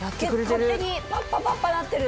パッパパッパなってる。